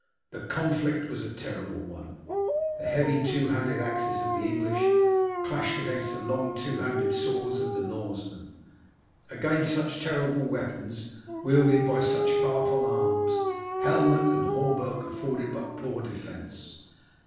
The conflict was a terrible one. The heavy two handed axes of the English clashed against the long two handed swords of the Norsemen. Against such terrible weapons wielded by such powerful arms, helmet and hauberk afforded but a poor defence.